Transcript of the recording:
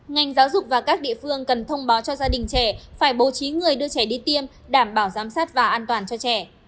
ngành giáo dục và các địa phương cần thông báo cho gia đình trẻ phải bố trí người đưa trẻ đi tiêm đảm bảo giám sát và an toàn cho trẻ